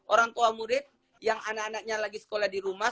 orang tua murid yang anak anaknya lagi sekolah di rumah